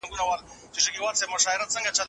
موږ باغ ته ولاړو